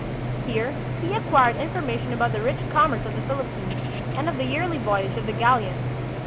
Here he acquired information about the rich commerce of the Philippines and of the yearly voyage of the galleon.